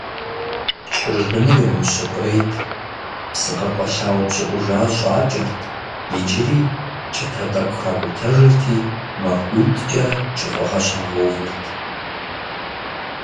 чыржыныр яущыкъуейт, псы къэкъуэлъа упщIыIужа щIакIэрт, иджыри кIытэ тIэкIу хакIутэжырти, махуиткIэ кIыфIыгъэ щагъэувырт.